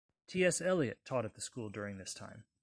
T. S. Eliot taught at the school during this time.